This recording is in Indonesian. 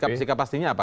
jadi sikap pastinya apa